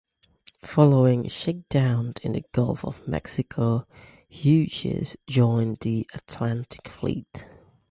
Following shakedown in the Gulf of Mexico, "Hughes" joined the Atlantic Fleet.